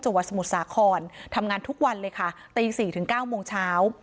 จังหวัดสมุทรสาครทำงานทุกวันเลยค่ะตี๔ถึง๙โมงเช้า